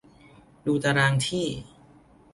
ดูตารางที่